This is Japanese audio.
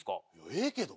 ええけど。